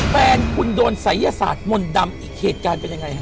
แฟนคุณโดนศัยยศาสตร์มนต์ดำอีกเหตุการณ์เป็นยังไงฮะ